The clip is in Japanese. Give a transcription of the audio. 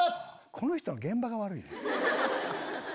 この人の現場が悪い。